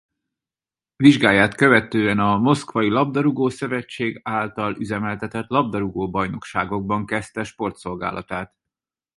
Vizsgáját követően a Moszkvai Labdarúgó-szövetség által üzemeltetett labdarúgó bajnokságokban kezdte sportszolgálatát.